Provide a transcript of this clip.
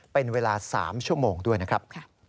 เป็นเวลา๓ชั่วโมงด้วยนะครับ